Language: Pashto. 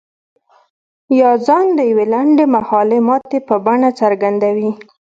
يا ځان د يوې لنډ مهالې ماتې په بڼه څرګندوي.